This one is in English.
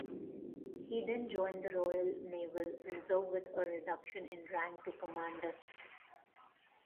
He then joined the Royal Naval Reserve with a reduction in rank to Commander.